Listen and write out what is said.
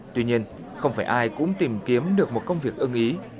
tuy nhiên không phải ai cũng tìm kiếm được một công việc ưng ý